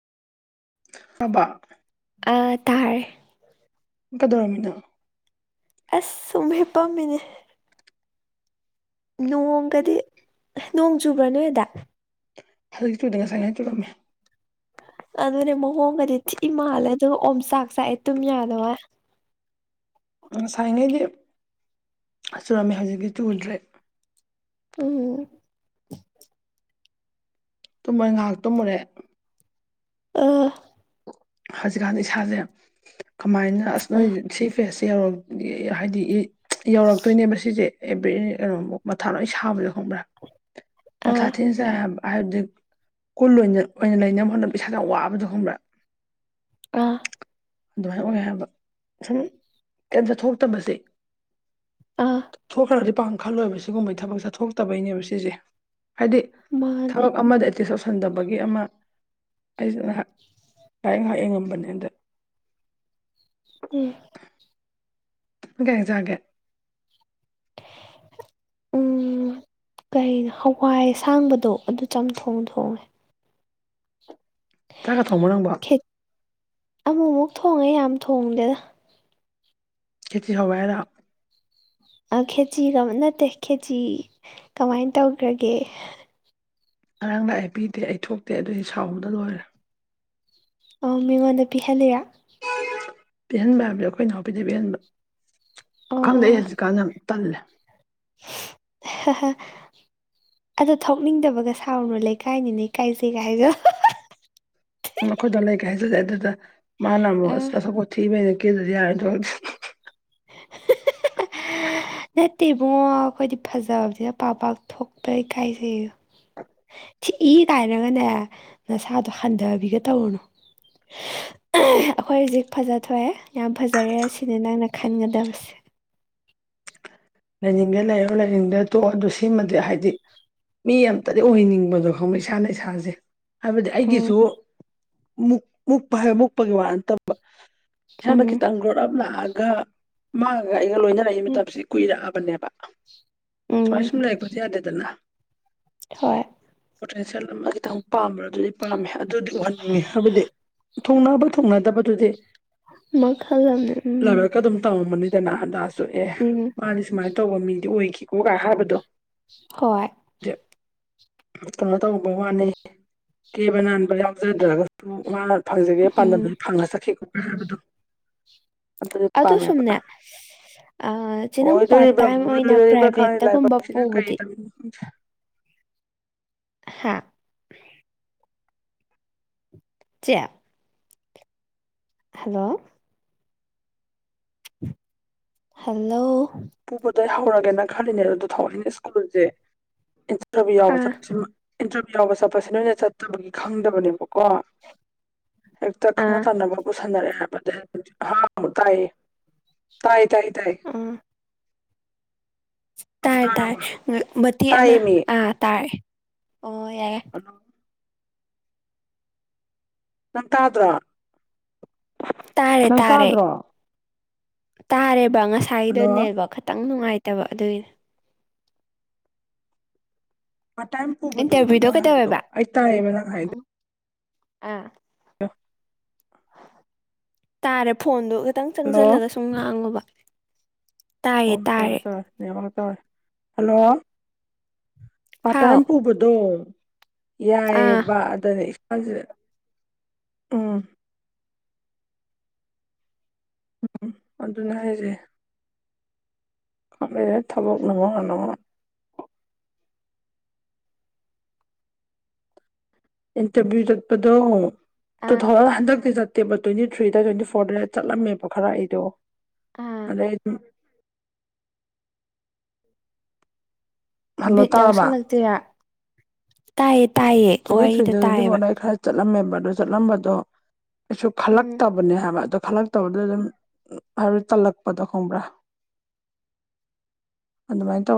ꯑꯝꯕ ꯇꯥꯔ ꯀꯗꯧꯔꯝꯃꯤꯅ ꯑꯁ ꯁ ꯄꯝꯃꯤꯅꯦ ꯅꯣꯡꯒꯗꯤ ꯅꯣꯡ ꯆꯨꯕ꯭ꯔꯥ ꯅꯣꯏꯗ ꯍꯧꯖꯤꯛ ꯆꯨꯗꯦ ꯉꯁꯥꯏ ꯉ ꯆꯨꯔꯂꯝꯃꯦ ꯑꯗꯨꯅꯦ ꯃꯑꯣꯡꯒꯗꯤ ꯊꯤ ꯏ ꯃꯥꯥꯜꯂꯦ ꯑꯗꯨꯒ ꯑꯣꯝꯆꯥꯛ ꯆꯥꯛꯑꯦ ꯇꯨꯝ ꯌꯥꯗꯣ ꯍꯥꯏ [unintelligible] ꯉꯁꯥꯏꯉꯩꯗꯤ ꯆꯨꯔꯝꯃꯦ ꯍꯧꯖꯤꯛꯀꯤ ꯇꯨꯗ꯭ꯔꯦꯠ ꯎꯝ ꯇꯨꯝꯃꯣꯏꯦ ꯉꯥꯏꯍꯥꯛ ꯇꯨꯝꯃꯨꯔꯦ ꯑ ꯍꯧꯖꯤꯛꯀꯥꯟ ꯏꯁꯥꯁꯦ ꯀꯃꯥꯏꯅ ꯑꯁ ꯅꯣꯏ ꯑꯥ ꯁꯤ ꯐꯦꯁ ꯍꯥꯏꯗꯤ ꯌꯧꯔꯛꯇꯣꯏꯅꯦꯕ ꯁꯤꯁꯦ ꯑꯦꯕ꯭ꯔꯤ ꯀꯩꯅꯣꯃꯛ ꯃꯊꯥ ꯂꯣꯏ ꯁꯥꯕꯗꯣ ꯈꯪꯕ꯭ꯔꯥ ꯃꯊꯥ ꯑꯥ ꯊꯤꯟꯁꯦ ꯍꯥꯏꯕꯗꯤ ꯀꯨꯜ ꯑꯣꯏꯅ ꯑꯣꯏꯅ ꯂꯩꯅꯕ ꯍꯣꯠꯅꯕ ꯏꯁꯥꯗ ꯌꯥꯝ ꯋꯥꯕꯗꯣ ꯈꯪꯕ꯭ꯔꯥ ꯑꯥ ꯑꯗꯨꯃꯥꯏꯅ ꯑꯣꯏ ꯍꯥꯏꯕ ꯁꯨꯝ ꯀꯩꯝꯇ ꯊꯣꯛꯇꯕꯁꯦ ꯑꯥ ꯊꯣꯛꯈ꯭ꯔꯗꯤ ꯄꯥꯛ ꯈꯜꯂꯣꯏꯕ ꯁꯤꯒꯨꯝꯕꯒꯤ ꯊꯕꯛꯁꯦ ꯊꯣꯛꯇ ꯕꯩꯅꯦꯕ ꯁꯤꯁꯦ ꯍꯥꯏꯗꯤ ꯃꯥꯅꯦ ꯊꯕꯛ ꯑꯃꯗ ꯑꯦꯇꯤ ꯁꯧꯁꯟꯗꯕꯒꯤ ꯑꯃ ꯑꯩꯁꯤ ꯉꯥꯏꯍꯥꯛ ꯉꯥꯏ ꯉꯥꯏꯍꯥꯛ ꯌꯦꯉꯝꯕꯅꯦ ꯑꯟꯗ ꯎꯝ ꯀꯩ ꯑꯦꯟꯁꯥꯡ ꯆꯔꯒꯦ ꯎꯝ ꯀꯩꯅꯣ ꯍꯋꯥꯏ ꯑꯁꯥꯡꯕꯗꯣ ꯑꯗꯨ ꯆꯝꯊꯣꯡ ꯊꯣꯡꯉꯦ ꯆꯥꯛꯀ ꯊꯣꯡꯕꯔꯣ ꯅꯪꯕꯤ ꯑꯃꯨꯛ ꯑꯃꯨꯛ ꯊꯣꯡꯉꯦ ꯌꯥꯝ ꯊꯣꯡꯗꯦꯗ ꯈꯦꯇ ꯍꯋꯥꯏꯗ ꯈꯦꯆꯤꯒ ꯅꯠꯇꯦ ꯈꯦꯆꯤ ꯀꯃꯥꯏꯅ ꯇꯧꯈ꯭ꯔꯒꯦ ꯉꯔꯥꯡ ꯅ ꯑꯩ ꯄꯤꯗꯦ ꯑꯩ ꯊꯣꯛꯇꯦ ꯑꯗꯨꯗꯤ ꯁꯥꯎꯗ ꯂꯣꯏꯔꯦ ꯑꯣ ꯃꯃꯣꯟ ꯅ ꯄꯤꯍꯂꯔꯥ ꯄꯤꯍꯟꯕ ꯍꯥꯏꯕꯗꯤ ꯑꯩꯈꯣꯏ ꯏꯅꯥꯎꯄꯤꯗꯤ ꯄꯤꯍꯟꯕ ꯑꯣ ꯈꯪꯗꯩ ꯍꯧꯖꯤꯛꯀꯥꯟꯗ ꯇꯜ ꯍ ꯑꯗꯣ ꯊꯣꯛꯅꯤꯡꯗꯕꯒ ꯁꯥꯥꯎꯔꯨꯔꯣ ꯂꯩꯀꯥꯏꯅꯤꯅꯦ ꯀꯥꯏꯁꯦꯒ ꯍꯥꯏꯗ ꯎ ꯑꯩꯈꯣꯏꯗꯣ ꯂꯩꯀꯦ ꯍꯥꯏꯖꯗꯦ ꯑꯗꯨꯗ ꯃꯥꯅ ꯑ ꯑꯃꯨꯛ ꯑꯁ ꯑꯁꯄꯣꯠ ꯊꯤꯕ ꯊꯦꯗꯤ ꯍꯥꯏꯊ ꯅꯠꯇꯦ ꯏꯕꯨꯡꯉꯣ ꯑꯩꯈꯣꯏꯗꯤ ꯐꯖꯕꯅꯤꯅ ꯄꯥꯛ ꯄꯥꯛ ꯊꯣꯛꯄꯩ ꯀꯥꯏꯖꯩ ꯊꯤ ꯀꯥꯏꯅꯒꯅꯦ ꯅꯁꯥꯗꯣ ꯍꯟꯗꯕꯤꯒ ꯇꯧꯔꯨꯅꯨ ꯑꯩꯈꯣꯏ ꯍꯧꯖꯤꯛ ꯐꯖꯊꯣꯛꯑꯦ ꯌꯥꯝ ꯐꯖꯔꯦ ꯁꯤꯅꯦ ꯅꯪꯅ ꯈꯟꯒꯗꯕꯁꯦ ꯂꯩꯅꯤꯡꯗꯦ ꯂꯩꯔꯣ ꯂꯩꯅꯤꯡꯗꯦ ꯇꯣꯛꯑꯣ ꯑꯗꯨ ꯁꯤꯃꯗꯤ ꯍꯥꯏꯗꯤ ꯃꯤ ꯑꯃꯇꯗꯤ ꯑꯣꯏꯍꯟꯅꯤꯡꯕꯗꯣ ꯈꯪꯉꯕꯣ ꯏꯁꯥꯅ ꯏꯁꯥꯁꯦ ꯍꯥꯏꯕꯗꯤ ꯎꯝ ꯑꯩꯒꯤꯁꯨ ꯃꯨꯛꯄ ꯍꯥꯏꯕ ꯃꯨꯛꯄꯒꯤ ꯋꯥ ꯅꯠꯇꯕ ꯏꯁꯥꯗ ꯎꯝ ꯈꯤꯇꯪ ꯒ꯭ꯔꯣꯠ ꯑꯞ ꯂꯥꯛꯑꯒ ꯃꯥꯡꯉꯒ ꯑꯩꯒ ꯂꯣꯏꯅꯔꯛꯏ ꯎꯝ ꯃꯇꯝꯁꯤ ꯆꯛꯑꯕꯅꯦꯕ ꯁꯨꯃꯥꯏ ꯎꯝ ꯁꯨꯝ ꯂꯩꯔꯛꯄꯗꯤ ꯌꯥꯗꯦꯗꯅ ꯍꯣꯏ ꯄꯣꯇꯦꯟꯁꯤꯌꯦꯜ ꯑꯃ ꯈꯤꯇꯪ ꯄꯥꯝꯕꯥ ꯑꯗꯨꯗꯤ ꯄꯥꯝꯃꯦ ꯑꯗꯨꯗꯤ ꯎꯍꯟꯅꯤꯡꯉꯤ ꯍꯥꯏꯕꯗꯤ ꯊꯣꯡꯅꯕ ꯊꯨꯡꯅꯗꯕꯗꯨꯗꯤ ꯃꯈꯜ ꯑꯃꯅꯦ ꯎꯝ ꯂꯥꯏꯕꯥꯛꯗ ꯑꯗꯨꯝ ꯇꯝꯃꯝꯝꯕꯅꯤ ꯑꯦ ꯎꯝ ꯃꯥꯗꯤ ꯁꯨꯃꯥꯏꯅ ꯇꯧꯕ ꯃꯤꯗꯤ ꯑꯣꯏꯈꯤꯀꯣꯒꯥꯏ ꯍꯥꯏꯕꯗꯣ ꯍꯣꯏ ꯀꯩꯅꯣ ꯇꯧꯕ ꯋꯥꯅꯤ ꯀꯦꯕ ꯅꯥꯟꯕ ꯌꯥꯎꯖꯗ꯭ꯔꯒꯁꯨ ꯃꯥ ꯐꯪꯖꯒꯦ ꯎꯝ ꯄꯥꯟꯗꯝꯗꯨ ꯐꯪꯅ ꯆꯠꯈꯤ ꯈꯣ ꯍꯥꯏꯕꯗꯣ ꯑꯗꯨꯗꯤ ꯑꯗꯣ ꯄꯥꯝꯃꯦꯕ ꯁꯨꯝꯅꯦ ꯑ ꯁꯨꯝ ꯄꯥꯔꯠ ꯑꯣꯏꯗꯣꯔꯤꯕ꯭ꯔꯥ ꯇꯥꯏꯝ ꯑꯣꯏꯅ ꯑꯣꯏꯔꯣꯏꯗꯣꯔꯤꯕ꯭ꯔꯥ ꯈꯪꯗꯦ ꯄ꯭ꯔꯥꯏꯚꯦꯠꯇꯒꯨꯝꯕ ꯂꯥꯏꯕꯛꯁꯤꯅ ꯀꯔꯤ ꯄꯨꯕꯗꯤ ꯇꯝꯃꯤꯅꯣ ꯈꯪꯗꯦ ꯍꯥꯥ ꯆꯦ ꯍꯜꯂꯣ ꯍꯜꯂꯣ ꯄꯨꯕꯗꯩ ꯍꯧꯔꯒꯦꯅ ꯈꯜꯂꯤꯅꯦ ꯊꯥꯎꯖꯤꯟ ꯁ꯭ꯀꯨꯜꯁꯦ ꯏꯟꯇꯔꯚꯤꯌꯨ ꯌꯥꯎꯕ ꯑꯥ ꯆꯠꯄ ꯏꯟꯇꯔꯚꯤꯌꯨ ꯌꯥꯎꯕ ꯆꯠꯄꯁꯤ ꯂꯣꯏꯅ ꯆꯠꯇꯕꯒꯤ ꯈꯪꯗꯕꯅꯦꯕꯣ [inaudible] ꯀꯣ ꯍꯦꯛꯇ ꯈꯪꯅ ꯑꯥ ꯆꯥꯟꯅꯕ ꯄꯨꯁꯟꯅꯔꯑꯦ ꯍꯥꯏꯕꯅꯤ ꯍ ꯇꯥꯏꯌꯦ ꯇꯥꯏ ꯇꯥꯏ ꯇꯥꯏ ꯇꯥꯏ ꯇꯥꯏ ꯇꯥꯔꯕꯣ ꯃꯇꯦꯛ ꯑꯃ ꯇꯥꯏꯌꯦꯃꯤ ꯇꯔꯦ ꯑꯣ ꯌꯥꯏ ꯍꯜꯂꯣ ꯅꯪ ꯇꯥꯗ꯭ꯔꯣ ꯇꯥꯔꯦ ꯅꯪ ꯇꯥꯔꯦ ꯇꯥꯗ꯭ꯔꯣ ꯇꯥꯔꯦꯕ ꯍꯜꯂꯣ ꯉꯁꯥꯏꯗꯅꯦꯕ ꯈꯛꯇꯪ ꯅꯨꯡꯉꯥꯏꯇꯕ ꯑꯗꯨꯏꯅꯦ ꯄꯥꯔꯠ꯭ ꯇꯥꯏꯝ ꯄꯨꯕꯗꯣ ꯏꯟꯇꯔꯚꯤꯌꯨꯗꯣ ꯅꯪ ꯍꯥꯏꯕꯗꯣ ꯀꯩꯗꯧꯋꯦꯕ ꯑꯩ ꯇꯥꯏꯌꯦꯕ ꯅꯪ ꯍꯥꯏꯗ ꯎꯝ ꯑꯥ [unintelligible] ꯇꯥꯔꯦ ꯐꯣꯟꯗꯣ ꯈꯤꯇꯪ ꯍꯜꯂꯣ ꯆꯪꯖꯜꯂꯒ ꯁꯨꯝ ꯉꯥꯡꯉꯨꯕ ꯑꯣ ꯇꯥꯔꯦ ꯇꯥꯔꯦ ꯅꯦꯋꯥꯛ ꯇꯥꯔꯦ ꯍꯜꯂꯣ ꯄꯥꯔꯠ ꯍꯥꯎ ꯇꯥꯏꯝ ꯄꯨꯕꯗꯣ ꯑꯥ ꯌꯥꯏꯌꯦꯕ ꯑꯗꯅꯦ ꯏ ꯁꯥꯖꯦ ꯎꯝ ꯎꯝ ꯑꯗꯨꯅꯦ ꯍꯥꯏꯖꯦ ꯑꯝ ꯂꯩꯔꯦ ꯊꯕꯛꯅ ꯃꯔꯣꯜ ꯑꯃ ꯏꯟꯇꯔꯕ꯭ꯌꯨ ꯆꯠꯄꯗꯣ ꯇꯨ ꯑꯥ ꯊꯥꯎꯖꯟ ꯍꯟꯗꯛꯇꯤ ꯆꯠꯇꯦꯕ ꯇ꯭ꯋꯦꯟꯇꯤ ꯊ꯭ꯔꯤꯗ ꯇ꯭ꯋꯦꯟꯇꯤ ꯐꯣꯔꯗ ꯆꯠꯂꯝꯃꯦꯕ ꯈꯔ ꯑꯩꯗꯣ ꯑꯥ ꯑꯗꯩ ꯑꯗꯨꯝ ꯍꯜꯂꯣ ꯕꯤꯠ ꯇꯥꯔꯕ ꯌꯥꯎꯁꯜꯂꯛꯇꯦꯌꯦ ꯇꯥꯏꯌꯦ ꯇꯥꯏꯌꯦ ꯇ꯭ꯋꯦꯟꯇꯤ ꯋꯥꯔꯤꯗ ꯊ꯭ꯔꯤꯗ ꯇ꯭ꯋꯦꯟꯇꯤ ꯇꯥꯏꯌꯦꯕ ꯐꯣꯔꯗ ꯑꯩ ꯈꯔ ꯆꯠꯂꯝꯃꯦꯕ ꯆꯠꯂꯝꯕꯗꯣ ꯀꯩꯁꯨ ꯎꯝ ꯈꯜꯂꯛꯇꯕꯅꯦ ꯍꯥꯏꯕ ꯈꯜꯂꯛꯇꯕꯗꯣ ꯑꯗꯨꯝ ꯍꯥꯏꯕꯗꯤ ꯇꯜꯂꯛꯄꯗꯣ ꯈꯪꯕ꯭ꯔꯥ ꯑꯗꯨ ꯃꯥꯏꯅ ꯇꯧ